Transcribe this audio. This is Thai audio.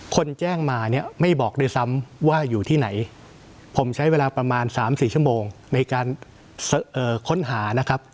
คนแจ้งมาเนี่ยไม่บอกด้วยซ้ำว่าอยู่ที่ไหนผมใช้เวลาประมาณ๓๔ชั่วโมงในการค้นหานะครับ